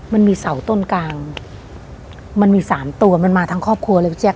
มันมีเสาต้นกลางมันมีสามตัวมันมาทั้งครอบครัวเลยพี่แจ